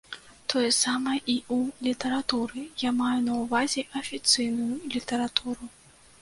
Тое самае і ў літаратуры, я маю на ўвазе афіцыйную літаратуру.